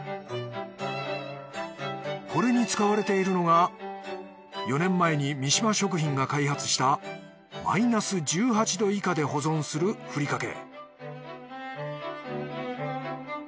これに使われているのが４年前に三島食品が開発したマイナス１８℃以下で保存するふりかけ。